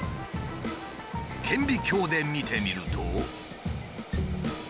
顕微鏡で見てみると。